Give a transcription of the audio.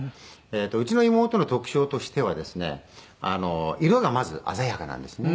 うちの妹の特徴としてはですね色がまず鮮やかなんですね。